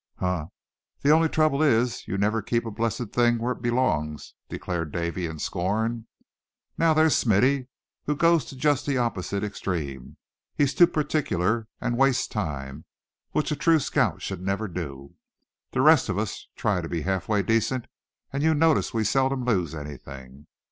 "Huh! the only trouble is you never keep a blessed thing where it belongs," declared Davy, in scorn. "Now, there's Smithy, who goes to just the opposite extreme; he's too particular, and wastes time, which a true scout should never do. The rest of us try to be half way decent; and you notice we seldom lose anything.